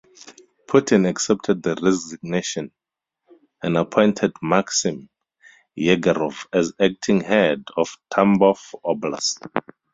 Putin accepted the resignation and appointed Maksim Yegorov as acting Head of Tambov Oblast.